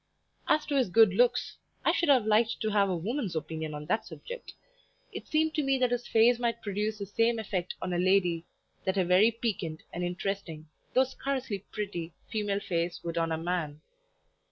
As to his good looks, I should have liked to have a woman's opinion on that subject; it seemed to me that his face might produce the same effect on a lady that a very piquant and interesting, though scarcely pretty, female face would on a man.